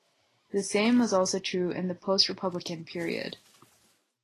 The same was also true in the Post-Republican period.